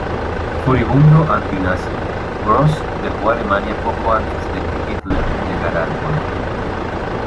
Furibundo antinazi, Grosz dejó Alemania poco antes de que Hitler llegara al poder.